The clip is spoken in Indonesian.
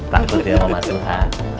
takut ya sama mas suha